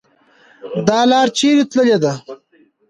.دا لار چیري تللې ده؟